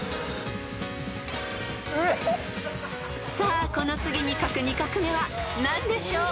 ［さあこの次に書く２画目は何でしょう］